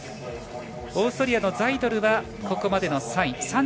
オーストリアのザイドルはここまでの３位。